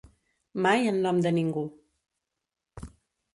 Mai en nom de ningú.